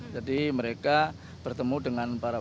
jadi mereka bertemu dengan para